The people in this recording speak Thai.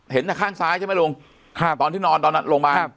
เห็นแต่ข้างซ้ายใช่ไหมลุงตอนที่นอนตอนนั้นโรงพยาบาล